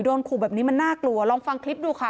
โดนขู่แบบนี้มันน่ากลัวลองฟังคลิปดูค่ะ